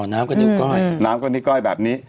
น้ำก็นิ้วก้อยน้ำก็นิ้ก้อยแบบนี้